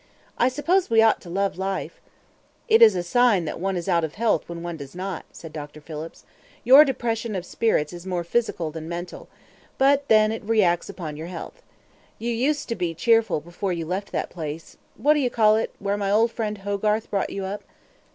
I suppose we ought to love life " "It is a sign that one is out of health when one does not," said Dr. Phillips. "Your depression of spirits is more physical than mental; but then it reacts upon your health. You used to be cheerful before you left that place what do you call it? where my old friend Hogarth brought you up."